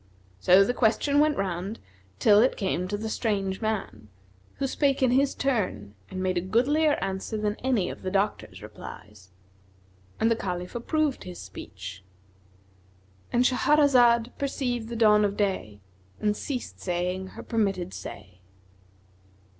So the question went round till it came to the strange man, who spake in his turn and made a goodlier answer than any of the doctors' replies; and the Caliph approved his speech.——And Shahrazad perceived the dawn of day and ceased saying her permitted say.